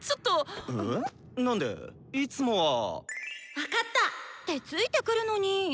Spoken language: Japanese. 分かった！ってついてくるのに。